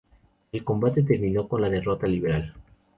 El combate terminó con la derrota liberal.